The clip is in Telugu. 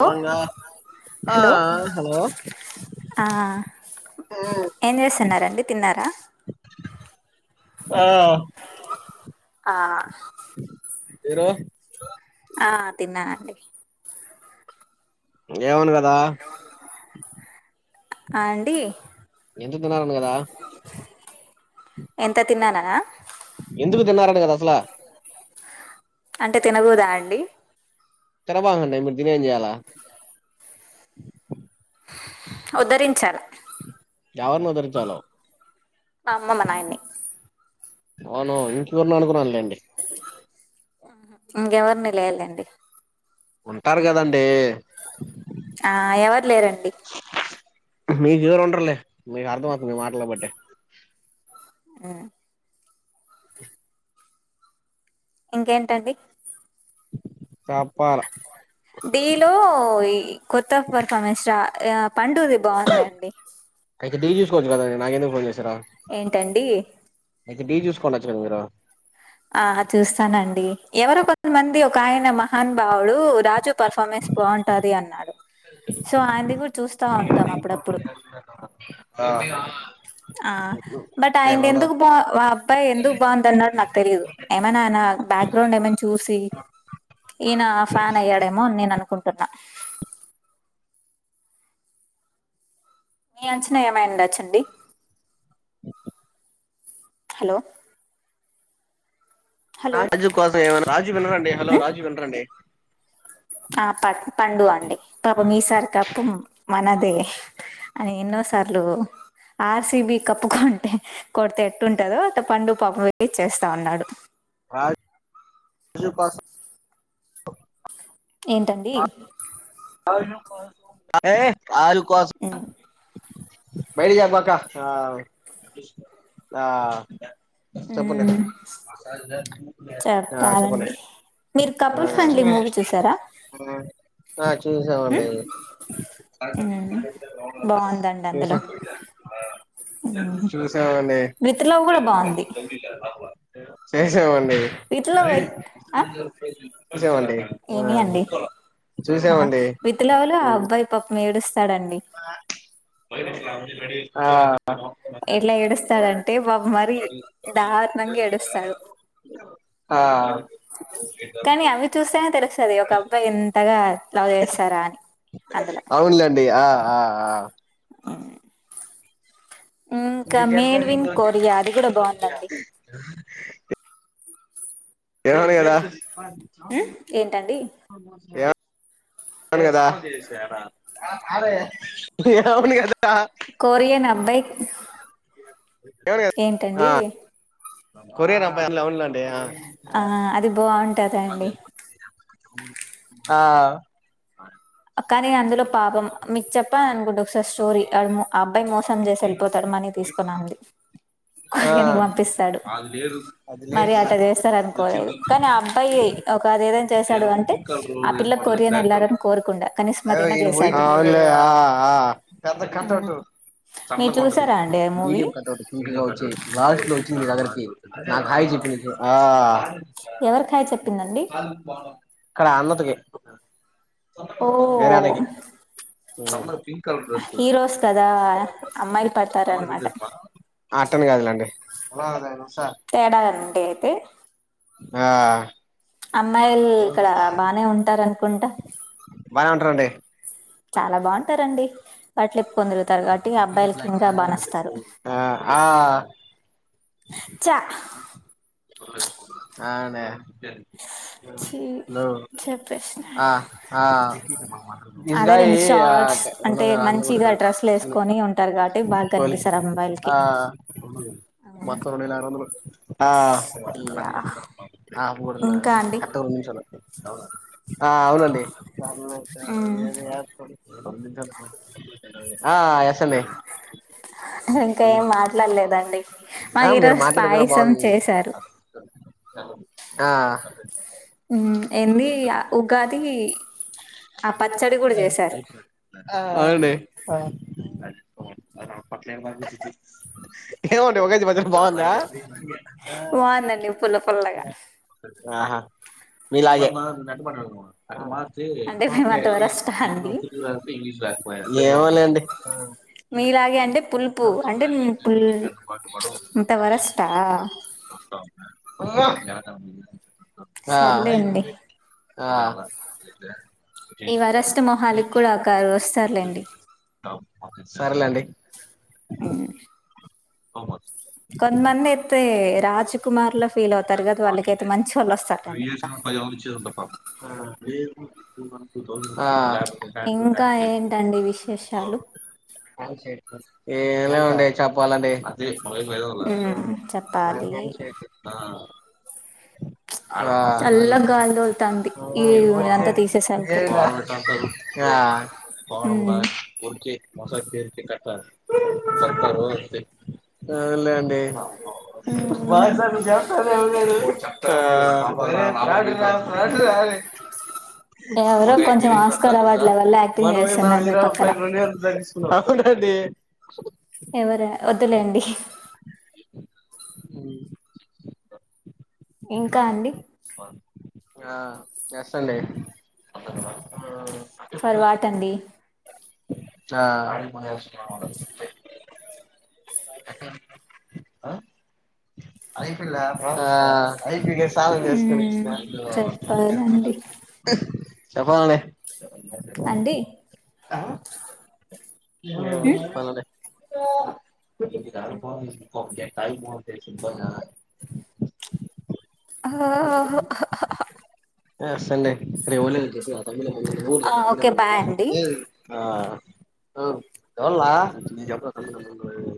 హలో గా ఆ హలో హలో ఆ ఏం చేస్తన్నారండి తిన్నారా ఆ ఆ ఏరు ఆ తిన్నానండి ఏమనగా గా ఆ అండి ఎంత తీన్నారు అని కదా ఎంత తిన్నారు అన ఎందుకు తిన్నారను కదా అసలు అంటే తినగుదా అండి తన బకండి ఇప్పుడు తిని ఏం చేయలా ఉద్ధరించాల ఎవరిని ఉద్దరించలో మా అమ్మ మా నాయన్ని అవును ఇంకెవరినో అనుకున్నానులేండి ఇంగ ఎవరిని లేదులెండి ఉంటారు కదండి ఆ ఎవరు లేరండి మీకు ఎవరు ఉండరులే మీకు అర్థం అవుతుంది మీ మాటలు బట్టే ఆ ఇంకేంటండి చెప్పాల డీలో ఈ కొత్త పర్ఫార్మెన్స్ రా ఆ పండుది బాగుందండి అయితే డి నాకు ఎందుకు ఫోన్ చేస్ ఏంటండి అయితే బి చూసుకోండచ్చు కదా మీరు ఆ చూస్తానండి ఎవరో కొంతమంది ఒక ఆయన మహాన్ బావుడు రాజు పర్ఫార్మెన్స్ స్పన్ బాంటది అన్నాడు సో ఆయనది కూడ్ చూస్తా ఉంటాం అప్పుడుప్పుడు ఆ బట్ ఏ ఆయంది పోన్రా ఎందుకు బా ఆ అబ్బాయి ఎందుకు బాగుందన్నాడు నాక్ తెలీదు ఏమన్న ఆయన బ్యాక్గ్రౌండ్ ఏమైనా చూసి ఈన ఆ ఫ్యాన్ అయ్యాడేమో అని నేను అనుకుంటున్నా మీ అంచనా ఏమైయుండచ్చండి హలో నా హలో రాజు కోసం ఎమైనా రాజు వినరండి హలో రాజు వినరండి ఆ ప పండు అండి పాపం మీసారి కప్పు మనదే అ ఎన్నో సార్లు ఆర్సిబి కప్పుకుంటే కొడితే ఎట్టుంటందో అట్ట పండు పాపం వేయిట్ చేస్తా ఉన్నాడు రాజు కోసం ఏంటండి ఆ ఏ ఆలు మ్ బయలుదేరబాకా ఆ... ఆ.. చెప్పండి మ్మ్ ఆ చెప్పండి చెప్పాలండి మీరు కపుల్ ఫ్రెండ్లీ ఆ మూవీ చూసారా ఆ చూసామండీ బాగుందండి అందులో చూసామ్ చూసావండి విత్ లవ్ కూడా బాగుంది చేసేవం డి విత్ లవ్ ఆ చూసావండి. ఆ... ఏమి అండి ఆ చూసామండి విత్ లవ్ లొ ఆ అబ్బాయి పాపం ఏడుస్తాడండి ఆ ఎట్లా ఏడుస్తాడంటే పాపం మరి దారుణంగా ఏడుస్తాడు ఆ కానీ అవి చూస్తేనే తెలుస్తుది ఒక అబ్బాయి ఎంతగా లవ్ చేస్తారా అని అందులో అవునులేండి ఆ ఆ ఆ ఇంకా మేడ్ విన్ కొరియా అది కూడా బాగుందండి [inaudible] ఏవడిగడ ఉమ్, ఏంటండి ఏ అవును కదా అరే అవును కదా కొరియన్ అబ్బై ఏవడిగార్ ఆ కొరియర్ అబ్బాయి ఇందులొ ఉన్న ఆ అది బా ఆ కానీ అందులో పాపం మీకు చెప్పా అనుకుంట స స్టోరీ అ అబ్బాయి మోసం చేసి ఎళ్ళిపోతాడు మనీ తీసుకోని ఆమెది కొరియన్ కి పంపిస్తాడు అది మరి లేదు అట్ట చేస్తార నుకోలేదు కానీ ఆ అబ్బాయి ఒక అది ఏదైన చేశాడు అంటే ఆ పిల్ల కొరియన్ వెళ్లారని కోరుకుండె అవున్లే ఆ ఆ పెద్ద ఆ కటౌటు మీరు సన్నగా ఉంటది చూసారా అండి ఆ మూవీ మీడియం కటౌట్ నీట్గా వచ్చి లాస్ట్ లో వచ్చింది ఎదరికి నాకు హాయి చెప్పంది చు ఎవరకి హయ్ చెప్ప్ ఇక్కడ అన్నతుకి ఓ వేరే అన్నయకి సమర్పి హీరోస్ కదా అమ్మాయిలు పడతార న మాట అట్ట ని కాదులెండి తేడానండి అయితే ఆ అమ్మాయిలు ఇక్కడ బానే ఉంటారను బానే వుంటరండి చాలా బాగుంటారండి వాటిలు పుకోనితిరుగుతారు కాబట్టి అబ్బాయిలకి ఇంకా బానచ్చుతారు ఆ ఆ చ ఛీ [unintelligible] చెప్పేసిన ఆ ఆ దిస్ అదే గాయి రెండు షార్ట్స్ రెండు అంటే వందల యాభై మంచిగా కోటేటోడు డ్రెస్సులు వేసుకొని ఉంటారు కాబట్టి బాగా కనిపిస్తారు అమ్మాయిలకి ఆ మత్త రణ అ యా ఆ పోడు ఇంకా అండి క ని ఆ అవునండి మ్మ్ ఏది ఆ ఎసన్నా ఇంకా ఏం మాట్లాడలేదండి ఆ మాకు మీరు ఈరోజు పా మాట్లాడిపోయినా పాయసం బాగుంది చేశారు ఆ ఎంది ఉగాది ఆ పచ్చడి కూడా చేశారు అవు పట్ల ఏమంటే ఒకజ మధ్యలో బాగుందా బంధండిప్పుల ఆహా మీలా న ప అ అతే అంటే మేము అంత వరస్టా అండి పక్కడికపోతే ఇంగ్లీష్ రాకపోయా ఏమలేండి మీలాగే అంటే పులుపు అంటే పుల్ ఇంత వరష్టా ఆ. సర్లేండి ఆ ఆ ఈ వరాష్ట్ర మొహాలకి కూడా ఒక వస్తారులేండి సరేలేండి ఆ అ మ కొంతమంది అయితే రాజ్ కుమార్ లో ఫీల్ అవుతారు కదా వాళ్ళకైతే మంచి వాళ్ళు వస్తారండి ఇంకా ఆ ఇంకా ఏంటండి విశేషాలు ఏ ఉ చెప్పాలండి అది మ్మ్ చెప్పాలి మ చల్ల చ్చ గాలి తోలుతుంది ఈ అంతా తీసేసరకు పోడం మ్మ్. ఉరికే మోస తీరికి కట్టారు కతారు లే అండి బస చెతానే ఎదు ఆ అరే ఎవరో కొంచెం ఆస్కార్ మాంద అవార్డుల వల్ల యాక్టింగ్ మనవే న చేస్తున్నారు ఇ మీ పక్కన ప తగకున్నా అదిే ఎవర వద్లేండి అ ఇంకా అండి ఆ చేస్తాండి పర్వాట అండి ఆ అ మ ఐపి ఐపీ చాల వసుకుని మ్మ్, చెప్పాలండి చెప్పాల అంటడి మ్మ్? అనలేే ాయి ఫబ ఆ ఆ సండే అే ఒళఊ ఆ, ఓకే బాయ్ అండి ఆ చవల ఎ